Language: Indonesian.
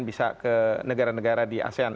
bisa ke negara negara di asean